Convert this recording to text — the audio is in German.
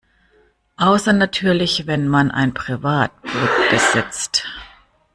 Außer natürlich wenn man ein Privatboot besitzt.